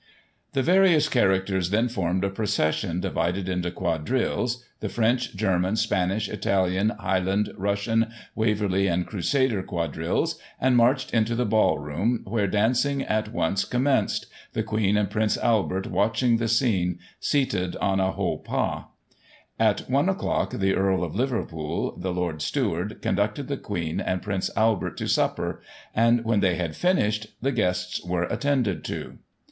The various characters then formed a procession divided into Quadrilles, the French, German, Spanish, Italian, High land, Russian, Waverley and Crusaders Quadrilles, and marched into the Ball Room, where dancing at once com menced, the Queen and Prince Albert watching the scene, seated on a haut pas. At one o*clock, the Earl of Liverpool, the Lord Steward, conducted the Queen and Prince Albert to supper ; and when they had finished the. guests were at tended to.